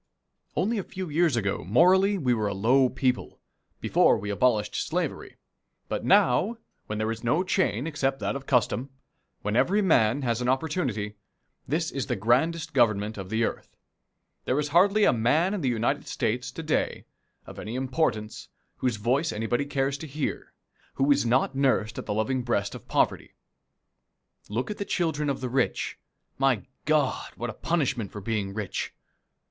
Only a few years ago morally we were a low people before we abolished slavery but now, when there is no chain except that of custom, when every man has an opportunity, this is the grandest Government of the earth. There is hardly a man in the United States to day, of any importance, whose voice anybody cares to hear, who was not nursed at the loving breast of poverty. Look at the children of the rich. My God, what a punishment for being rich!